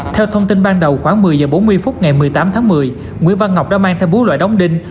theo thông tin ban đầu khoảng một mươi h bốn mươi phút ngày một mươi tám tháng một mươi nguyễn văn ngọc đã mang theo bốn loại đóng đinh